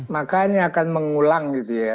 maka ini akan mengulang gitu ya